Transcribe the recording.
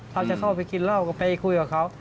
เขาจะเข้าไปกินเหล้าก็ไปคุยกับเขา